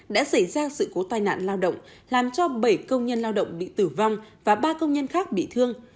đã xảy ra sự cố tai nạn lao động làm cho bảy công nhân lao động bị tử vong và ba công nhân khác bị thương